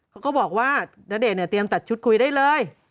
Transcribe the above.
เขาก็บอกว่าณเดชนเนี่ยเตรียมตัดชุดคุยได้เลย